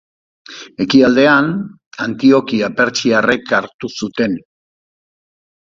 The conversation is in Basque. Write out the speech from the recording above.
Ekialdean, Antiokia pertsiarrek hartu zuten.